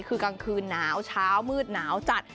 คือกลางคืนหนาวเช้ามืดหนาวจัด